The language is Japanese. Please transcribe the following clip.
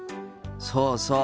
そうそう。